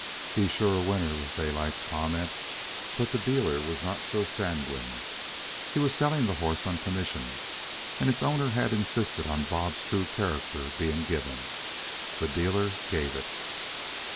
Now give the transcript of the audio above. "He's a sure winner," was Daylight's comment; but the dealer was not so sanguine. He was selling the horse on commission, and its owner had insisted on Bob's true character being given. The dealer gave it.